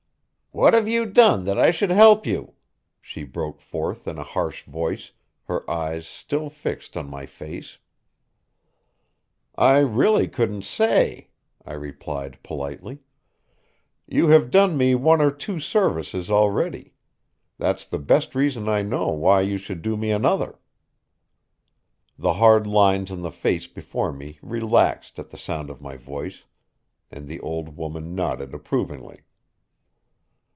"What have you done that I should help you?" she broke forth in a harsh voice, her eyes still fixed on my face. "I really couldn't say," I replied politely. "You have done me one or two services already. That's the best reason I know why you should do me another." The hard lines on the face before me relaxed at the sound of my voice, and the old woman nodded approvingly.